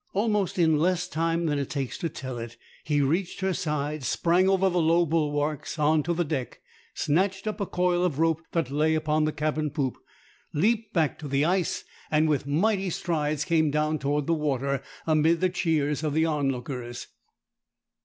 Almost in less time than it takes to tell it he reached her side, sprang over the low bulwarks on to the deck, snatched up a coil of rope that lay upon the cabin poop, leaped back to the ice, and with mighty strides came down toward the water, amid the cheers of the onlookers.